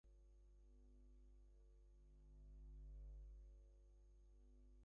The crystals thrived in the cave's extremely rare and stable natural environment.